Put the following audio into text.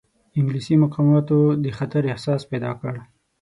انګلیسي مقاماتو د خطر احساس پیدا کړ.